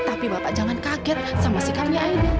tapi bapak jangan kaget sama sikapnya aini